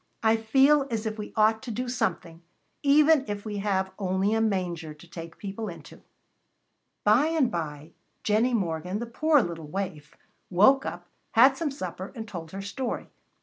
I feel as if we ought to do something, even if we have only a manger to take people into." By and by, Jennie Morgan, the poor little waif, woke up, had some supper, and told her story.